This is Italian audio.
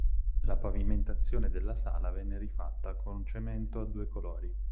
La pavimentazione della sala venne rifatta con cemento a due colori.